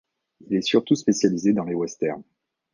Il s'est surtout spécialisé dans les westerns.